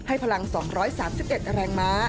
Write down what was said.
พลัง๒๓๑แรงม้า